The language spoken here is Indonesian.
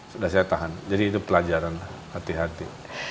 sudah saya tahan jadi itu pelajaran hati hati